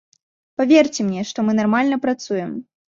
Паверце мне, што мы нармальна працуем.